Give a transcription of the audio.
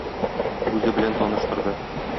Үзе белән таныштырды.